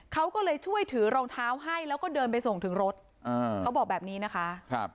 เขาก็เลยช่วยถือรองเท้าให้แล้วก็เดินไปส่งถึงรถเขาบอกแบบนี้นะคะ